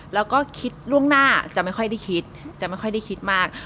แล้วก็คิดล่วงหน้าจะไม่ค่อยได้คิดจะไม่ค่อยได้คิดมาก